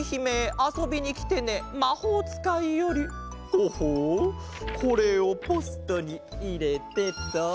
ほほうこれをポストにいれてと。